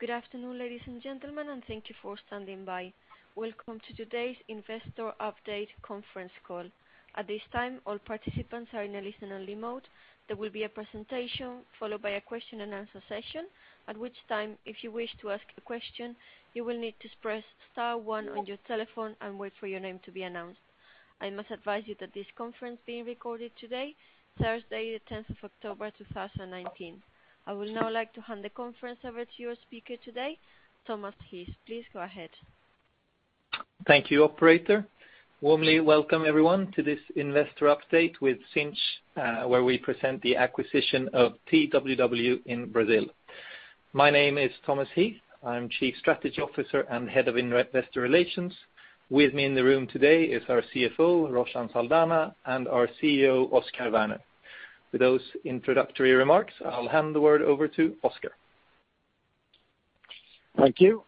Good afternoon, ladies and gentlemen, and thank you for standing by. Welcome to today's investor update conference call. At this time, all participants are in a listen-only mode. There will be a presentation followed by a question and answer session, at which time, if you wish to ask a question, you will need to press star one on your telephone and wait for your name to be announced. I must advise you that this conference is being recorded today, Thursday, the 10th of October 2019. I would now like to hand the conference over to your speaker today, Thomas Heath. Please go ahead. Thank you, operator. Warmly welcome everyone to this investor update with Sinch, where we present the acquisition of TWW in Brazil. My name is Thomas Heath. I'm Chief Strategy Officer and Head of Investor Relations. With me in the room today is our CFO, Roshan Saldanha, and our CEO, Oscar Werner. With those introductory remarks, I'll hand the word over to Oscar. Thank you.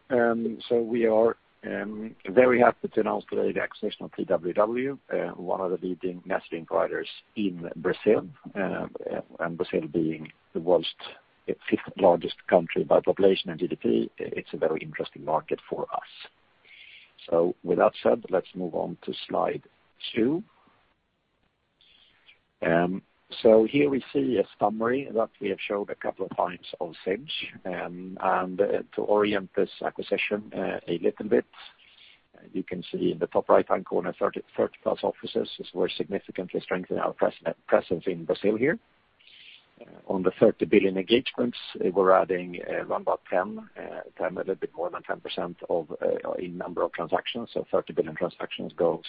We are very happy to announce today the acquisition of TWW, one of the leading messaging providers in Brazil, and Brazil being the world's fifth largest country by population and GDP, it's a very interesting market for us. With that said, let's move on to slide two. Here we see a summary that we have shown a couple of times on Sinch. To orient this acquisition a little bit, you can see in the top right-hand corner, 30 plus offices as we significantly strengthen our presence in Brazil here. On the 30 billion engagements, we're adding around about 10, a little bit more than 10% in number of transactions. 30 billion transactions goes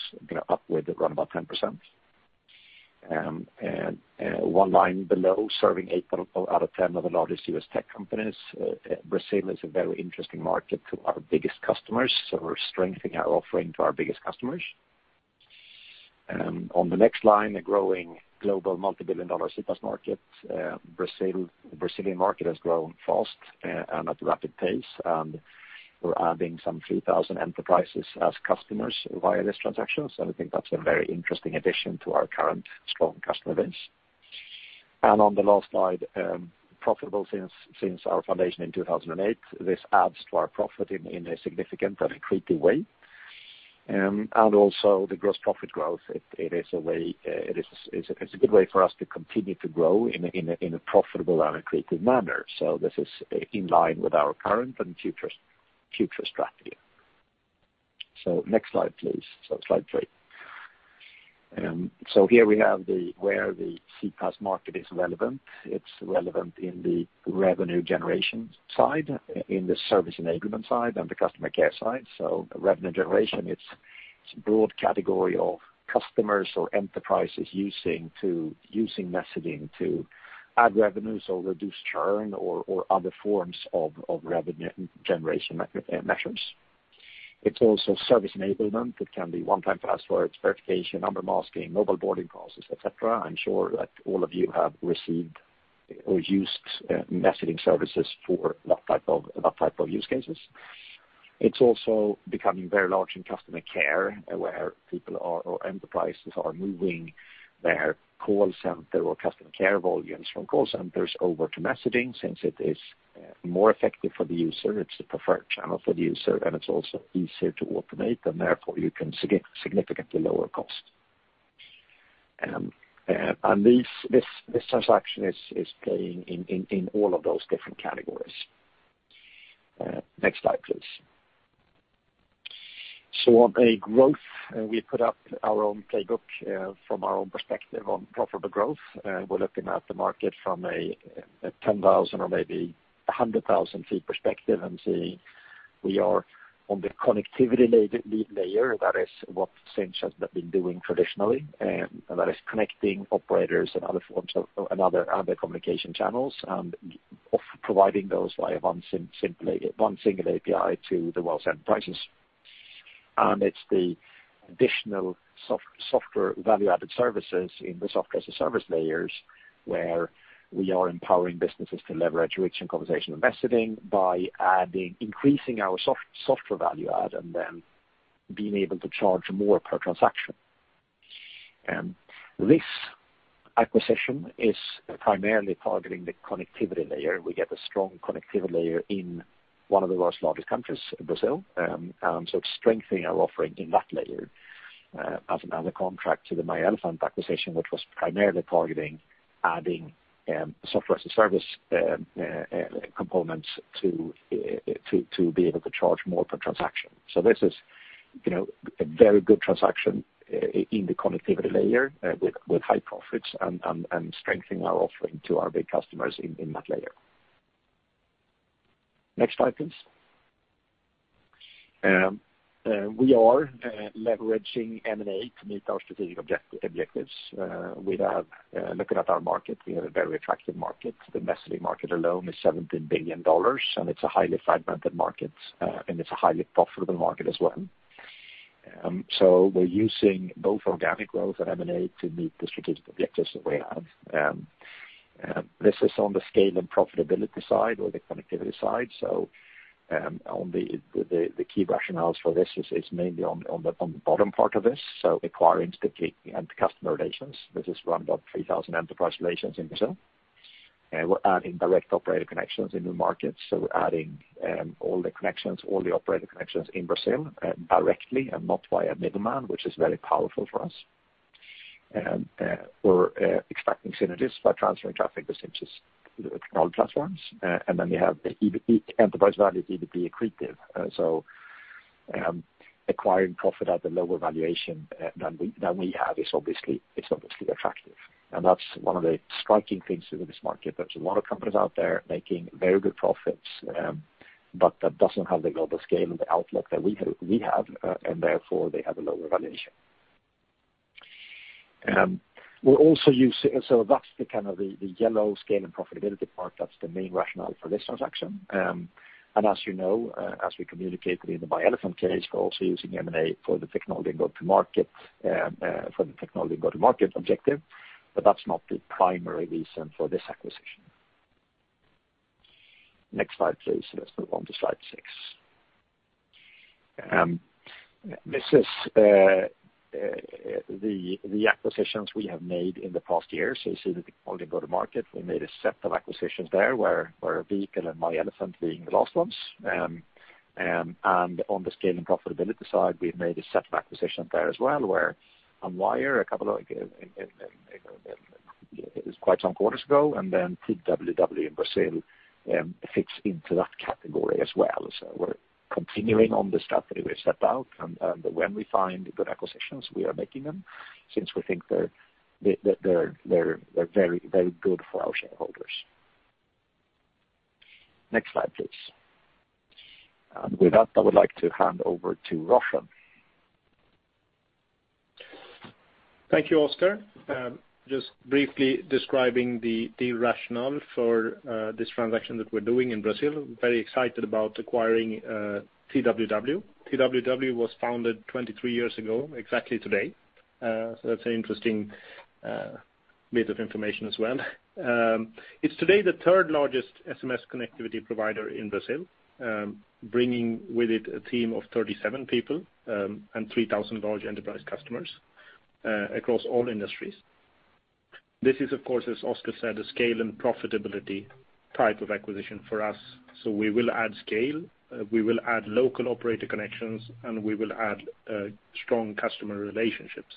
up with around about 10%. One line below, serving eight out of 10 of the largest U.S. tech companies. Brazil is a very interesting market to our biggest customers. We're strengthening our offering to our biggest customers. On the next line, a growing global multi-billion dollar CPaaS market. The Brazilian market has grown fast and at a rapid pace, and we're adding some 3,000 enterprises as customers via this transaction. We think that's a very interesting addition to our current strong customer base. On the last slide, profitable since our foundation in 2008. This adds to our profit in a significant and accretive way. Also the gross profit growth, it is a good way for us to continue to grow in a profitable and accretive manner. This is in line with our current and future strategy. Next slide, please. Slide three. Here we have where the CPaaS market is relevant. It's relevant in the revenue generation side, in the service enablement side, and the customer care side. Revenue generation, it's a broad category of customers or enterprises using messaging to add revenues or reduce churn or other forms of revenue generation measures. It's also service enablement. It can be one-time passwords, verification, number masking, mobile boarding processes, et cetera. I'm sure that all of you have received or used messaging services for that type of use cases. It's also becoming very large in customer care, where people or enterprises are moving their call center or customer care volumes from call centers over to messaging, since it is more effective for the user, it's the preferred channel for the user, and it's also easier to automate and therefore you can significantly lower cost. This transaction is playing in all of those different categories. Next slide, please. On a growth, we put up our own playbook, from our own perspective on profitable growth. We're looking at the market from a 10,000 or maybe 100,000 feet perspective and seeing we are on the connectivity layer. That is what Sinch has been doing traditionally, and that is connecting operators and other communication channels, and providing those via one single API to the world's enterprises. It's the additional software value-added services in the software as a service layers, where we are empowering businesses to leverage rich and conversational messaging by increasing our software value add, and then being able to charge more per transaction. This acquisition is primarily targeting the connectivity layer. We get a strong connectivity layer in one of the world's largest countries, Brazil. It's strengthening our offering in that layer as another contract to the myElefant acquisition, which was primarily targeting adding software as a service components to be able to charge more per transaction. This is a very good transaction in the connectivity layer, with high profits and strengthening our offering to our big customers in that layer. Next slide, please. We are leveraging M&A to meet our strategic objectives. Looking at our market, we have a very attractive market. The messaging market alone is SEK 17 billion, and it's a highly fragmented market, and it's a highly profitable market as well. We're using both organic growth and M&A to meet the strategic objectives that we have. This is on the scale and profitability side or the connectivity side. The key rationales for this is mainly on the bottom part of this, acquiring complete end customer relations. This is around about 3,000 enterprise relations in Brazil. We're adding direct operator connections in new markets. We're adding all the operator connections in Brazil directly and not via middleman, which is very powerful for us. We're expecting synergies by transferring traffic to Sinch's technology platforms. You have the enterprise value is EBITDA accretive. Acquiring profit at the lower valuation than we have is obviously attractive. That's one of the striking things with this market. There's a lot of companies out there making very good profits, but that doesn't have the global scale and the outlook that we have, and therefore they have a lower valuation. That's the yellow scale and profitability part, that's the main rationale for this transaction. As you know, as we communicated in the myElefant case, we're also using M&A for the technology go-to-market objective, but that's not the primary reason for this acquisition. Next slide, please. Let's move on to slide six. This is the acquisitions we have made in the past year. You see that the technology go-to-market, we made a set of acquisitions there, where [Beak] and myElefant being the last ones. On the scale and profitability side, we've made a set of acquisitions there as well, where Unwire, it was quite some quarters ago, and then TWW in Brazil fits into that category as well. We're continuing on the strategy we set out, and when we find good acquisitions, we are making them since we think they're very good for our shareholders. Next slide, please. With that, I would like to hand over to Roshan. Thank you, Oscar. Just briefly describing the rationale for this transaction that we're doing in Brazil, very excited about acquiring TWW. TWW was founded 23 years ago, exactly today. That's an interesting bit of information as well. It's today the third largest SMS connectivity provider in Brazil, bringing with it a team of 37 people, and 3,000 large enterprise customers, across all industries. This is, of course, as Oscar said, a scale and profitability type of acquisition for us. We will add scale, we will add local operator connections, and we will add strong customer relationships.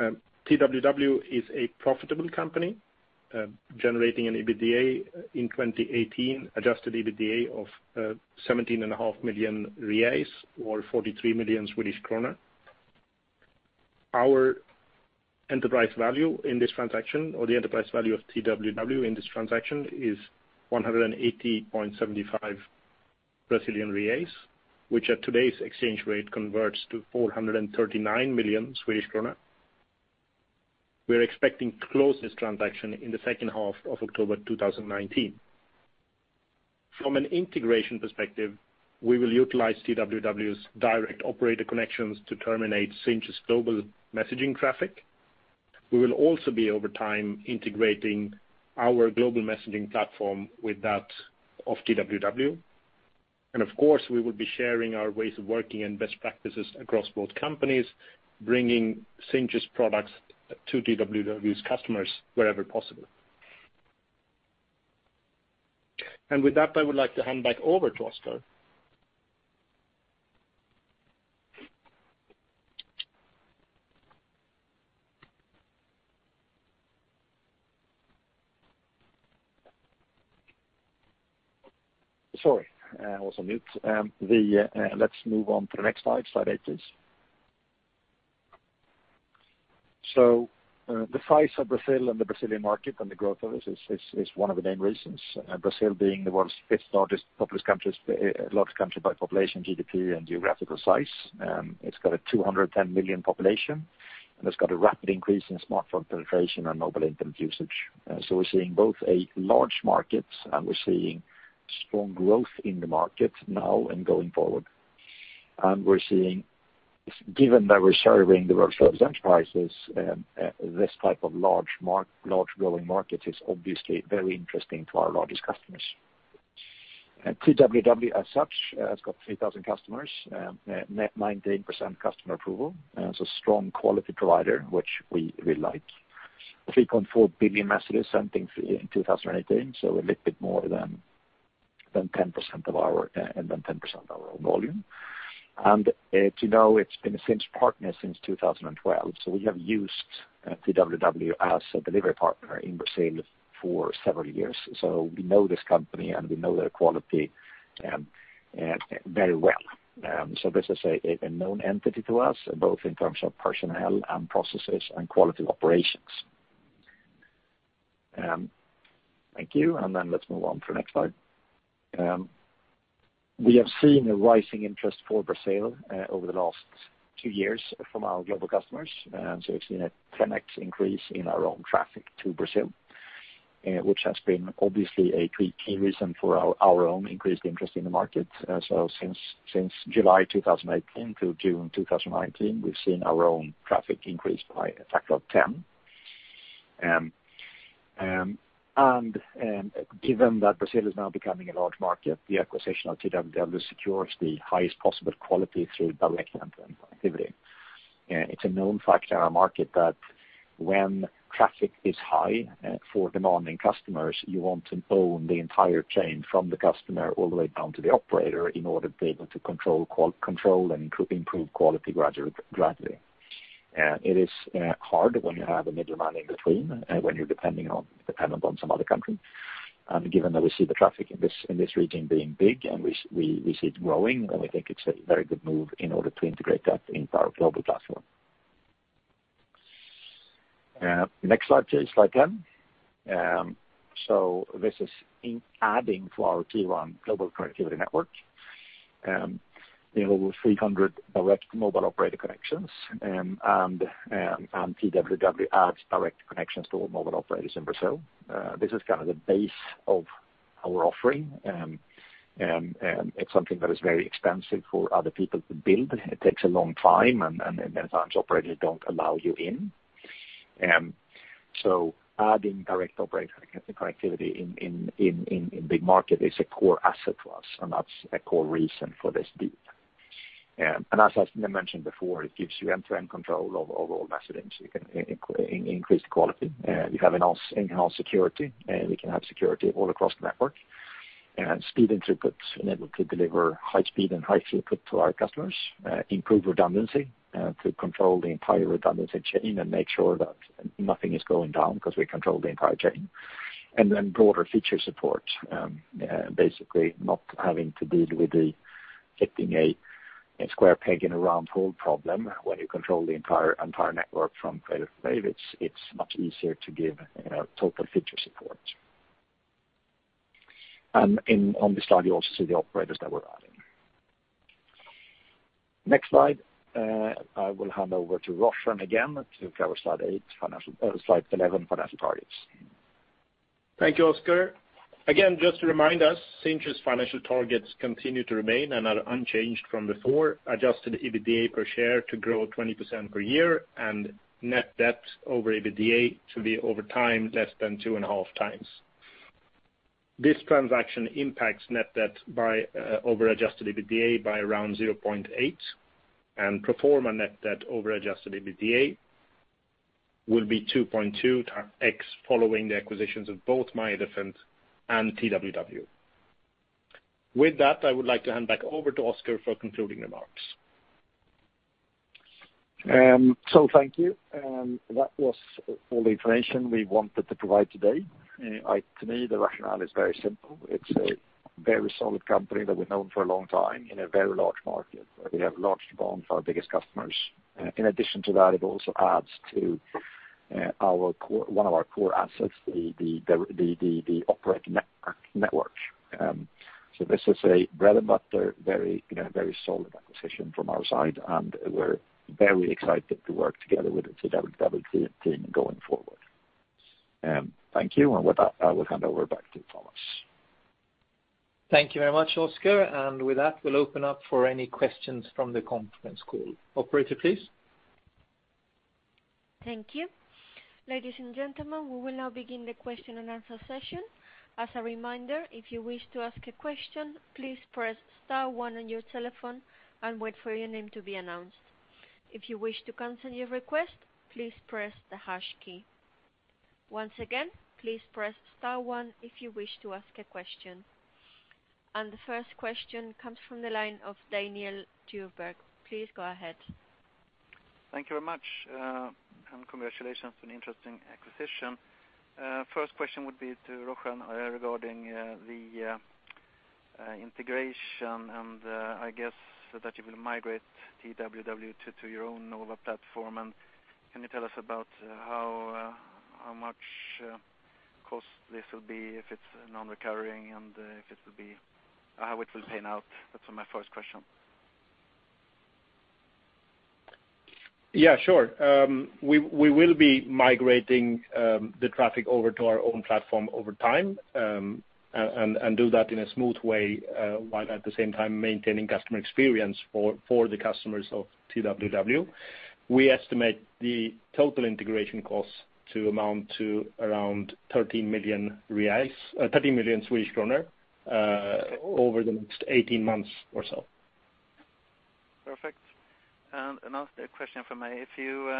TWW is a profitable company, generating an EBITDA in 2018, adjusted EBITDA of 17.5 million reais or 43 million Swedish kronor. Our enterprise value in this transaction, or the enterprise value of TWW in this transaction is 180.75 Brazilian reais, which at today's exchange rate converts to 439 million Swedish krona. We're expecting to close this transaction in the second half of October 2019. From an integration perspective, we will utilize TWW's direct operator connections to terminate Sinch's global messaging traffic. We will also be, over time, integrating our global messaging platform with that of TWW. Of course, we will be sharing our ways of working and best practices across both companies, bringing Sinch's products to TWW's customers wherever possible. With that, I would like to hand back over to Oscar. Sorry, I was on mute. Let's move on to the next slide. Slide eight, please. The size of Brazil and the Brazilian market and the growth of it is one of the main reasons. Brazil being the world's fifth largest country by population, GDP, and geographical size. It's got a 210 million population, and it's got a rapid increase in smartphone penetration and mobile internet usage. We're seeing both a large market, and we're seeing strong growth in the market now and going forward. We're seeing, given that we're serving the world's largest enterprises, this type of large growing market is obviously very interesting to our largest customers. TWW, as such, has got 3,000 customers, net 19% customer approval, so strong quality provider, which we like. 3.4 billion messages sent in 2018, so a little bit more than 10% of our volume. To know it's been a Sinch partner since 2012. We have used TWW as a delivery partner in Brazil for several years. We know this company, and we know their quality very well. This is a known entity to us, both in terms of personnel and processes and quality of operations. Thank you. Let's move on to the next slide. We have seen a rising interest for Brazil over the last two years from our global customers. We've seen a 10x increase in our own traffic to Brazil, which has been obviously a key reason for our own increased interest in the market. Since July 2018 to June 2019, we've seen our own traffic increase by a factor of 10. Given that Brazil is now becoming a large market, the acquisition of TWW secures the highest possible quality through direct end-to-end connectivity. It's a known fact in our market that when traffic is high for demanding customers, you want to own the entire chain from the customer all the way down to the operator in order to be able to control and improve quality gradually. It is hard when you have a middleman in between and when you're dependent on some other country. Given that we see the traffic in this region being big and we see it growing, we think it's a very good move in order to integrate that into our global platform. Next slide, please, slide 10. This is adding to our tier 1 global connectivity network. We have over 300 direct mobile operator connections. TWW adds direct connections to all mobile operators in Brazil. This is the base of our offering. It's something that is very expensive for other people to build. It takes a long time, and many times operators don't allow you in. Adding direct operator connectivity in big market is a core asset to us, and that's a core reason for this deal. As I mentioned before, it gives you end-to-end control over all messaging, so you can increase the quality. We have enhanced security. We can have security all across the network. Speed and throughput, enable to deliver high speed and high throughput to our customers. Improve redundancy to control the entire redundancy chain and make sure that nothing is going down because we control the entire chain. Broader feature support. Basically not having to deal with the fitting a square peg in a round hole problem when you control the entire network from cradle to grave, it's much easier to give total feature support. On this slide, you also see the operators that we're adding. Next slide. I will hand over to Roshan again to cover slide 11, financial targets. Thank you, Oscar. Again, just to remind us, Sinch's financial targets continue to remain and are unchanged from before. Adjusted EBITDA per share to grow 20% per year and net debt over EBITDA to be over time less than 2.5 times. This transaction impacts net debt over adjusted EBITDA by around 0.8 and pro forma net debt over adjusted EBITDA will be 2.2X following the acquisitions of both myElefant and TWW. With that, I would like to hand back over to Oscar for concluding remarks. Thank you. That was all the information we wanted to provide today. To me, the rationale is very simple. It's a very solid company that we've known for a long time in a very large market, where they have large volume for our biggest customers. In addition to that, it also adds to one of our core assets, the operating network. This is a bread-and-butter, very solid acquisition from our side, and we're very excited to work together with the TWW team going forward. Thank you. With that, I will hand over back to Thomas. Thank you very much, Oscar. With that, we'll open up for any questions from the conference call. Operator, please. Thank you. Ladies and gentlemen, we will now begin the question and answer session. As a reminder, if you wish to ask a question, please press star one on your telephone and wait for your name to be announced. If you wish to cancel your request, please press the hash key. Once again, please press star one if you wish to ask a question. The first question comes from the line of Daniel Juberg. Please go ahead. Thank you very much, and congratulations on the interesting acquisition. First question would be to Roshan regarding the integration and I guess that you will migrate TWW to your own Nova platform. Can you tell us about how much cost this will be, if it's non-recurring and how it will pan out? That's my first question. Yeah, sure. We will be migrating the traffic over to our own platform over time, and do that in a smooth way, while at the same time maintaining customer experience for the customers of TWW. We estimate the total integration costs to amount to around 30 million Swedish kronor over the next 18 months or so. Perfect. Another question from me. If you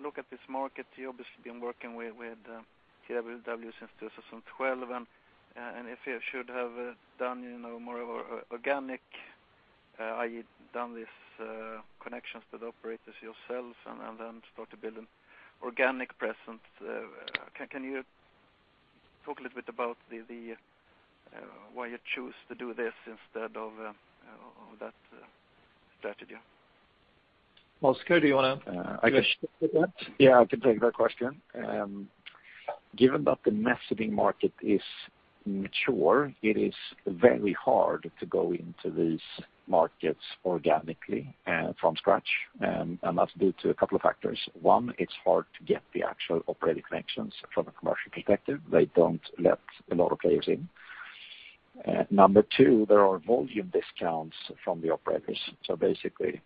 look at this market, you've obviously been working with TWW since 2012 and if you should have done more of organic, i.e., done these connections with operators yourselves and then start to build an organic presence, can you talk a little bit about why you choose to do this instead of that strategy? Oscar, do you want to take that? Yeah, I can take that question. Given that the messaging market is mature, it is very hard to go into these markets organically from scratch. That's due to a couple of factors. One, it's hard to get the actual operating connections from a commercial perspective. They don't let a lot of players in. Number 2, there are volume discounts from the operators. Basically,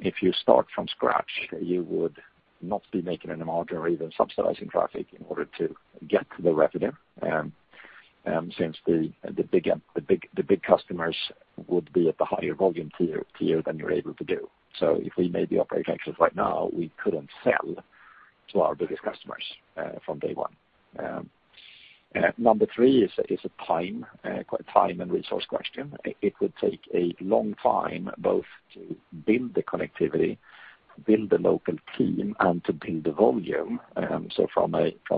if you start from scratch, you would not be making any margin or even subsidizing traffic in order to get the revenue. Since the big customers would be at the higher volume tier than you're able to do. If we made the operation access right now, we couldn't sell to our biggest customers from day 1. Number 3 is a time and resource question. It would take a long time both to build the connectivity, build the local team, and to build the volume. From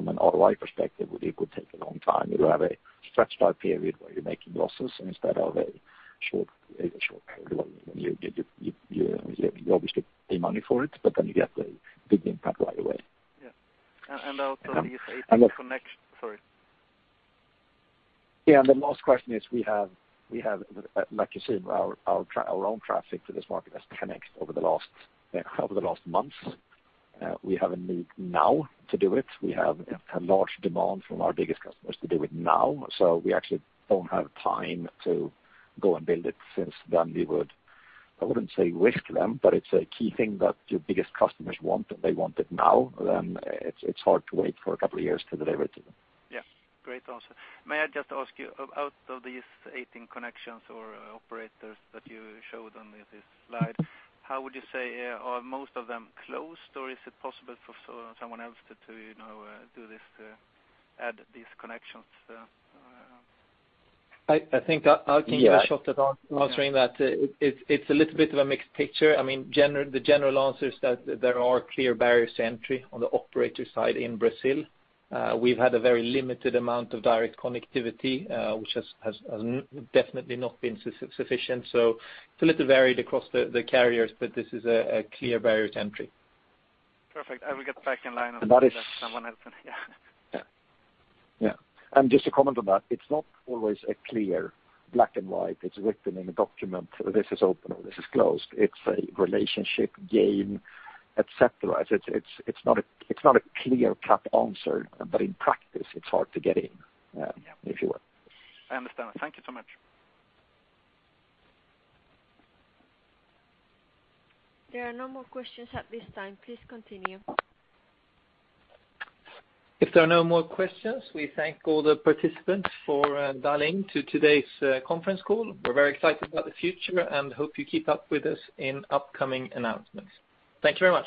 an ROI perspective, it would take a long time. You have a stretched out period where you're making losses instead of a short period where you obviously pay money for it, but then you get the big impact right away. Yeah. Also these 18 connect-- sorry. Yeah. The last question is we have, like you said, our own traffic to this market has connects over the last months. We have a need now to do it. We have a large demand from our biggest customers to do it now. We actually don't have time to go and build it since then we would, I wouldn't say risk them, but it's a key thing that your biggest customers want, and they want it now, then it's hard to wait for a couple of years to deliver it to them. Yeah. Great answer. May I just ask you, out of these 18 connections or operators that you showed on this slide, how would you say, are most of them closed or is it possible for someone else to add these connections? I think I can give a shot at answering that. It's a little bit of a mixed picture. The general answer is that there are clear barriers to entry on the operator side in Brazil. We've had a very limited amount of direct connectivity, which has definitely not been sufficient. It's a little varied across the carriers, but this is a clear barrier to entry. Perfect. I will get back in line. that is. Someone else then, yeah. Yeah. Just to comment on that, it's not always a clear black and white, it's written in a document, this is open or this is closed. It's a relationship game, et cetera. It's not a clear cut answer. In practice, it's hard to get in. Yeah. If you will. I understand. Thank you so much. There are no more questions at this time. Please continue. If there are no more questions, we thank all the participants for dialing to today's conference call. We're very excited about the future and hope you keep up with us in upcoming announcements. Thank you very much.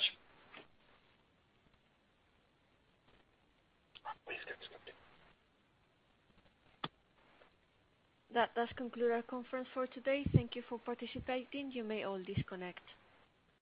Please continue. That does conclude our conference for today. Thank you for participating. You may all disconnect.